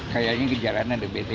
kayaknya gejalaannya dpd